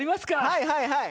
はいはいはい。